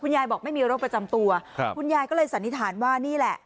ยายบอกไม่มีโรคประจำตัวครับคุณยายก็เลยสันนิษฐานว่านี่แหละ